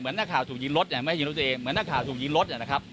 นักข่าวถูกยิงรถเนี่ยไม่ยิงรถตัวเองเหมือนนักข่าวถูกยิงรถเนี่ยนะครับ